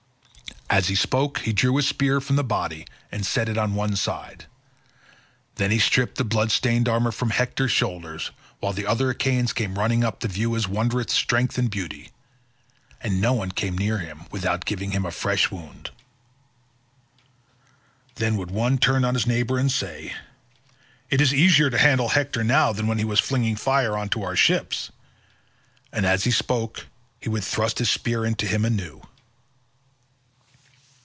As he spoke he drew his spear from the body and set it on one side; then he stripped the blood stained armour from Hector's shoulders while the other Achaeans came running up to view his wondrous strength and beauty; and no one came near him without giving him a fresh wound. Then would one turn to his neighbour and say, "It is easier to handle Hector now than when he was flinging fire on to our ships"—and as he spoke he would thrust his spear into him anew.